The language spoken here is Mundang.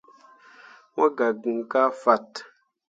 Mo gah gn kah fat.